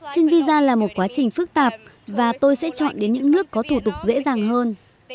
xin visa là một quá trình phức tạp và tôi sẽ chọn đến những nước có thủ tục dễ dàng hơn